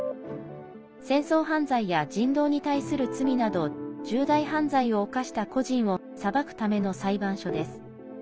戦争犯罪や人道に対する罪など重大犯罪を犯した個人を裁くための裁判所です。